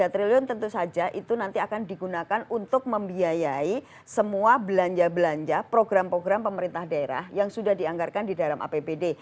tiga triliun tentu saja itu nanti akan digunakan untuk membiayai semua belanja belanja program program pemerintah daerah yang sudah dianggarkan di dalam apbd